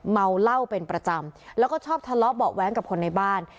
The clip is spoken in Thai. เมาเหล้าเป็นประจำแล้วก็ชอบทะเลาะเบาะแว้งกับคนในบ้าน